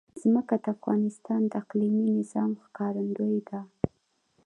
ځمکه د افغانستان د اقلیمي نظام ښکارندوی ده.